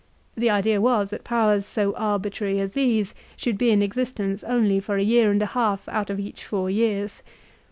The idea was that powers so arbitrary as these should be in existence only for a year and a half out of each four years.